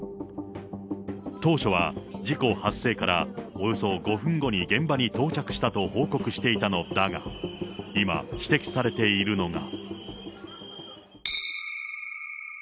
当初は事故発生からおよそ５分後に現場に到着したと報告していたのだが、今、指摘されているのが。